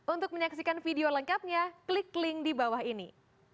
untuk menyaksikan video lengkapnya klik link di bawah ini